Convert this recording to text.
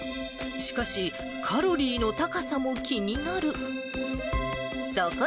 しかし、カロリーの高さも気になる。